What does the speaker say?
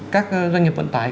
các doanh nghiệp vận tải